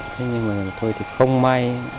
thế nhưng mà thôi thì không may